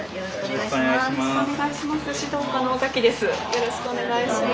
よろしくお願いします。